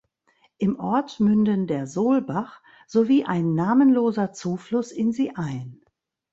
Im Ort münden der Sohlbach, sowie ein namenloser Zufluss in sie ein.